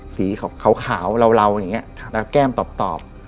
สีขาวเราอย่างนี้แล้วแก้มตอบ